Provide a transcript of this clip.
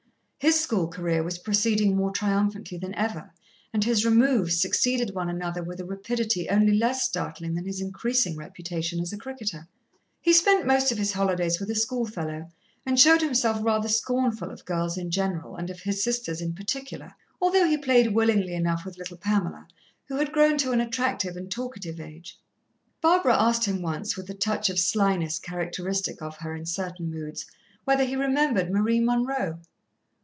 His school career was proceeding more triumphantly than ever, and his "removes" succeeded one another with a rapidity only less startling than his increasing reputation as a cricketer. He spent most of his holidays with a schoolfellow, and showed himself rather scornful of girls in general and of his sisters in particular, although he played willingly enough with little Pamela, who had grown to an attractive and talkative age. Barbara asked him once, with the touch of slyness characteristic of her in certain moods, whether he remembered Marie Munroe.